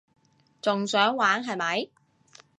仲想玩係咪？